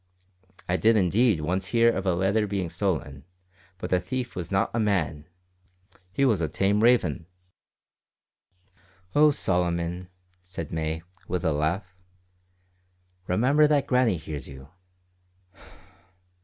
I did indeed once hear of a letter being stolen, but the thief was not a man he was a tame raven!" "Oh, Solomon!" said May, with a laugh. "Remember that Grannie hears you."